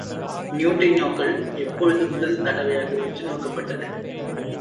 நியூட்ரினோக்கள் எப்பொழுது முதல் தடவையாக உற்றுநோக்கப்பட்டன?